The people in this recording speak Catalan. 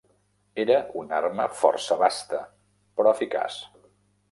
Era una arma força basta, però eficaç.